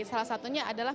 salah satunya adalah